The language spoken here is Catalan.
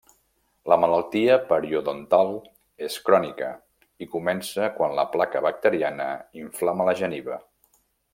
La malaltia periodontal és crònica i comença quan la placa bacteriana inflama la geniva.